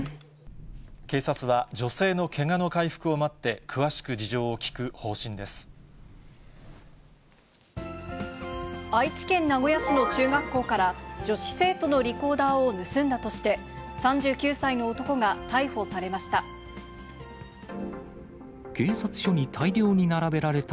警察は、女性のけがの回復を待って、愛知県名古屋市の中学校から、女子生徒のリコーダーを盗んだとして、３９歳の男が逮捕されました。